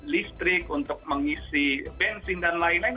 listrik untuk mengisi bensin dan lain lain